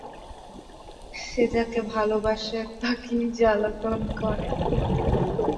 সে যাকে ভালোবাসে তাকেই জ্বালাতন করে।